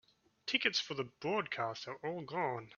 Tickets for the broadcast are all gone.